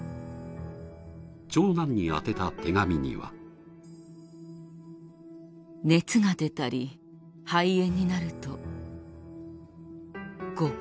長男に宛てた手紙には「熱が出たり肺炎になると」